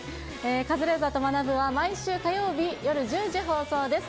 カズレーザーと学ぶ。は毎週火曜日夜１０時放送です。